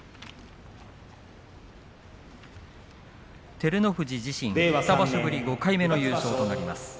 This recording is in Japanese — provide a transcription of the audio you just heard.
照ノ富士自身２年ぶり、５回目の優勝となります。